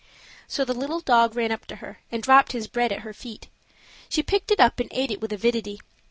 So the little dog ran up to her and dropped his bread at her feet; she picked it up and ate it with avidity.